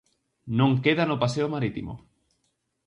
Non queda no paseo marítimo.